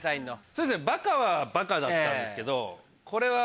そうですねバカはバカだったんですけどこれは。